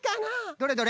どれどれ？